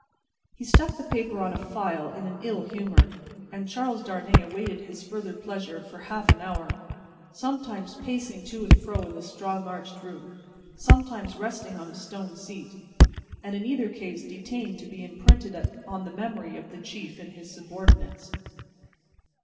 He stuck the paper on a file, in an ill humour, and Charles Darnay awaited his further pleasure for half an hour: sometimes, pacing to and fro in the strong arched room: sometimes, resting on a stone seat: in either case detained to be imprinted on the memory of the chief and his subordinates.